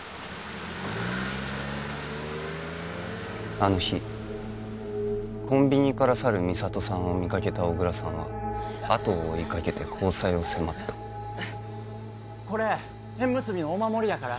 あの日コンビニから去る美里さんを見かけた小倉さんはあとを追いかけて交際を迫ったこれ縁結びのお守りやから